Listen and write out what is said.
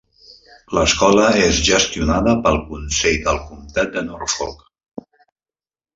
L'escola és gestionada pel Consell del Comtat de Norfolk.